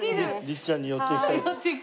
律ちゃんに寄っていきたい。